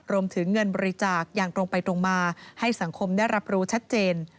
รวมถึงเงินบริจาคอย่างตรงไปตรงมาให้สังคมได้รับรู้ชัดเจน